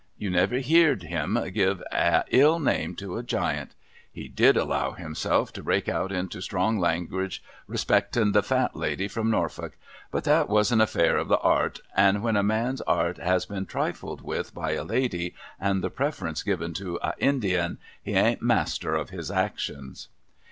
You never heerd him give a ill name to a Giant. He did allow himself to break out into strong language respectin the Fat Lady from Norfolk ; but that was an affair of the 'art ; and when a man's 'art has been trifled with by a lady, and the preference giv to a Indian, he ain't master of his actions.